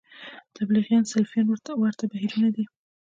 تبلیغیان سلفیان ورته بهیرونه دي